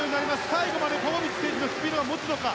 最後までポポビッチ選手のスピードが持つのか。